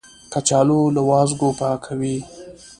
کچالو له وازګو پاکوي